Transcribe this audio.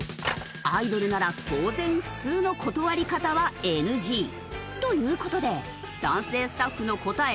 アイドルなら当然普通の断り方はＮＧ。という事で男性スタッフの答え